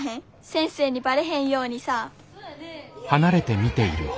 先生にバレへんようにさ。